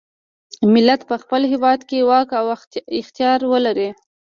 ملت په خپل هیواد کې واک او اختیار ولري.